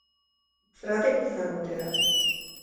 Zergatik izango ote da?